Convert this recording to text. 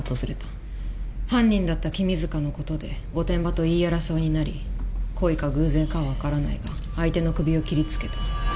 犯人だった君塚の事で御殿場と言い争いになり故意か偶然かはわからないが相手の首を切りつけた。